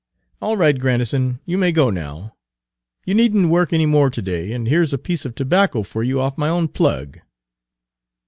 "All right, Grandison, you may go now. You need n't work any more to day, and here's a piece of tobacco for you off my own plug."